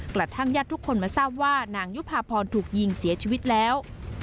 กระทั่งญาติทุกคนมาทราบว่านางยุภาพรถูกยิงเสียชีวิตแล้ว